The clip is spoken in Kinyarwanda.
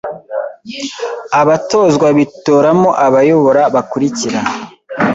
Abatozwa bitoramo ababayobora bakurikira: